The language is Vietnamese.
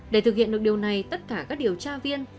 để thực hiện được điều này tất cả các điều tra viên